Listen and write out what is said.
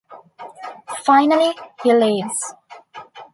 Finally he leaves.